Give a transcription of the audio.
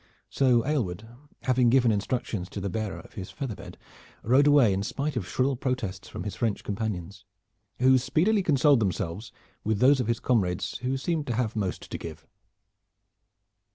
So Aylward, having given instructions to the bearer of his feather bed, rode away in spite of shrill protests from his French companions, who speedily consoled themselves with those of his comrades who seemed to have most to give.